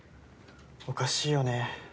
おかしいよね